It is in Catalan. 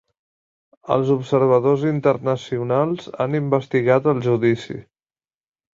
Els observadors internacionals han investigat el judici